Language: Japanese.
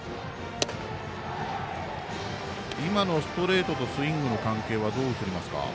今のストレートとスイングの関係どう映りますか？